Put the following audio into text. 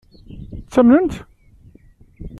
Ttamnen-tt?